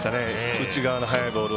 内側の速いボールを。